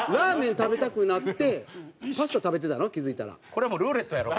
これもうルーレットやろ。